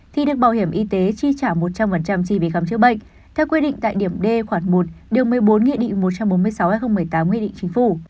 thì được bảo hiểm y tế chi trả một trăm linh chi phí khám chữa bệnh theo quy định tại điểm d khoản một điều một mươi bốn nghị định một trăm bốn mươi sáu hai nghìn một mươi tám nghị định chính phủ